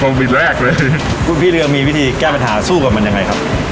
หิ้นจริงเลยพี่เรียมมีวิธีแก้ปัญหาสู้กับมันยังไงครับ